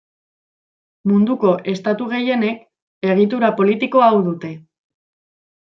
Munduko estatu gehienek, egitura politiko hau dute.